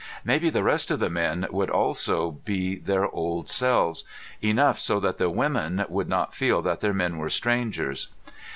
Maybe the rest of the men would also be their old selves, enough so the women would not feel that their men were strangers.